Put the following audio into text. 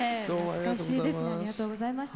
懐かしいですねありがとうございました。